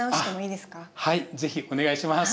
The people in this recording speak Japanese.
はい是非お願いします。